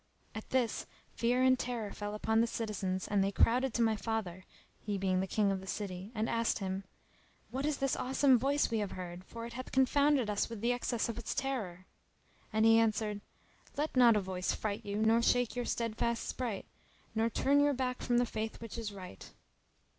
At this, fear and terror fell upon the citizens and they crowded to my father (he being King of the city) and asked him, "What is this awesome voice we have heard, for it hath confounded us with the excess of its terror?" and he answered, "Let not a voice fright you nor shake your steadfast sprite nor turn you back from the faith which is right."